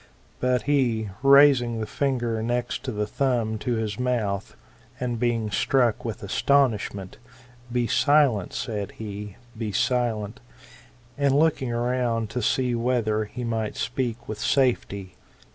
But he, raising the finger next to the thumb to his mouth, and being struck with astonishment, £e silent, said he, be silent ; and looking round to see whether he might speak with safety.